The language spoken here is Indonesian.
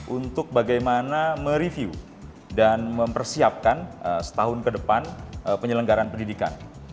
untuk bagaimana mereview dan mempersiapkan setahun ke depan penyelenggaran pendidikan